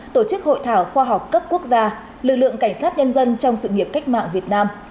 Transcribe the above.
tổ chức hội thảo khoa học cấp quốc gia lực lượng cảnh sát nhân dân trong sự nghiệp cách mạng việt nam